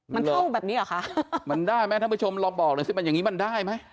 มันเท่าแบบนี้เหรอคะมันได้ไหมท่านผู้ชมลองบอกเลยสิมันอย่างงี้มันได้ไหม